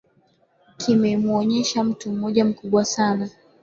kimemwonyesha mtu moja mkubwa sana